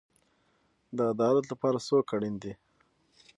د عدالت لپاره څوک اړین دی؟